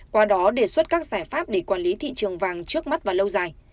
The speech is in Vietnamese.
qua đó đề xuất các giải pháp để quản lý thị trường vàng trước mắt và lâu dài